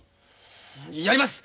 やります。